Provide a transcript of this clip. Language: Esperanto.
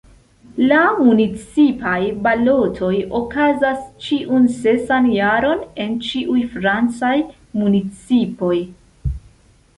La municipaj balotoj okazas ĉiun sesan jaron en ĉiuj francaj municipoj.